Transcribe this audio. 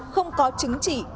bốn không có chứng chỉ